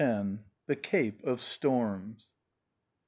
THE CAPE OF STORMS.